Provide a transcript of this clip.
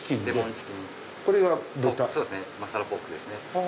マサラポークですね。